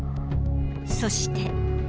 そして。